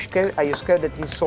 kamu takut bahwa ini beras